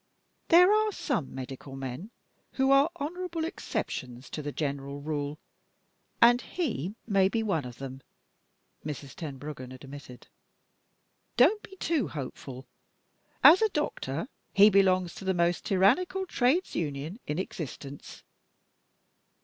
"There are some medical men who are honorable exceptions to the general rule; and he may be one of them," Mrs. Tenbruggen admitted. "Don't be too hopeful. As a doctor, he belongs to the most tyrannical trades union in existence.